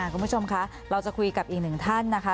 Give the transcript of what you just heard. คุณผู้ชมคะเราจะคุยกับอีกหนึ่งท่านนะคะ